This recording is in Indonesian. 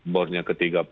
bornya ke tiga puluh